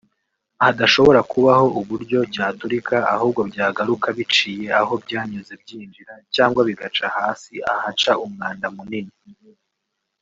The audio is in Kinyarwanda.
hadashobora kubaho uburyo cyaturika ahubwo byagaruka biciye aho byanyuze byinjira cyangwa bigaca hasi ahaca umwanda munini